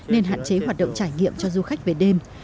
nên hạn chế hoạt động trải nghiệm cho du khách về đêm